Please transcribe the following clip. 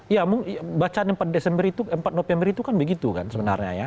ya bacaan empat november itu kan begitu kan sebenarnya ya